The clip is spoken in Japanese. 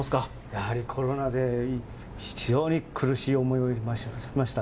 やはりコロナで非常に苦しい思いをしました。